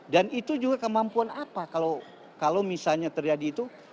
dan itu juga kemampuan apa kalau misalnya terjadi itu